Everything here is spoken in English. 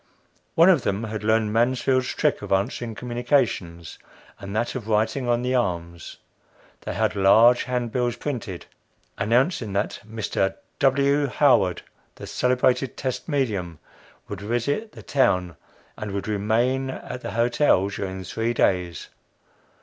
One of them had learned Mansfield's trick of answering communications and that of writing on the arms. They had large handbills printed, announcing that "Mr. W. Howard, the celebrated test medium, would visit the town of , and would remain at the Hotel during three days."